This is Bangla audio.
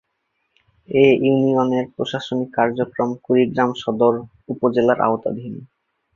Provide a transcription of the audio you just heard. এ ইউনিয়নের প্রশাসনিক কার্যক্রম কুড়িগ্রাম সদর উপজেলার আওতাধীন।